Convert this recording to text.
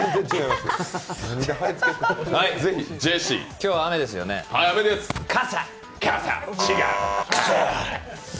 今日、雨ですよね傘！